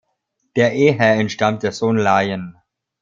Der Ehe entstammt der Sohn Lion.